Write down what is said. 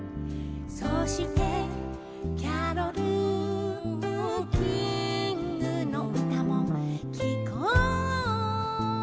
「そしてキャロルキングの歌も聴こう」